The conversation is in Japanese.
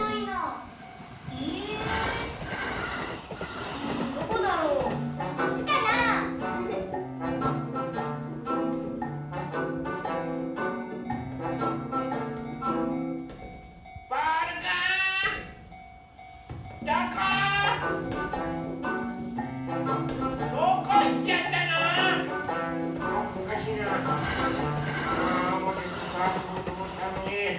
あもうせっかくあそぼうとおもったのに。